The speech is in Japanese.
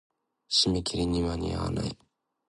締め切りに間に合わない。